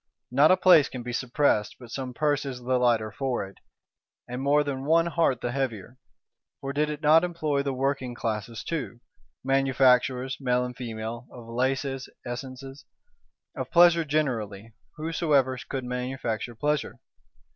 Not a place can be suppressed, but some purse is the lighter for it; and more than one heart the heavier; for did it not employ the working classes too,—manufacturers, male and female, of laces, essences; of Pleasure generally, whosoever could manufacture Pleasure?